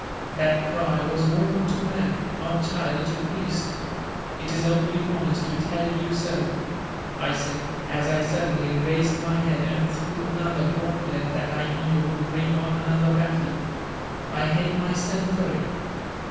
"That cry was woman to man, not child to priest. It is only honest to tell you so," I said, as I suddenly raised my head and threw another gauntlet that I knew would bring on another battle. "I hate myself for it."